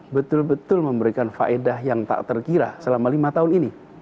betul betul memberikan faedah yang tak terkira selama lima tahun ini